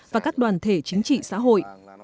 và các đoàn thể chính trị xã hội